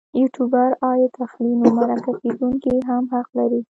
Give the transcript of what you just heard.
یوټوبر عاید اخلي نو مرکه کېدونکی هم حق لري.